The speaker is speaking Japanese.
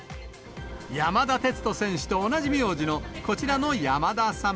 山田哲人選手と同じ名字の、こちらの山田さん。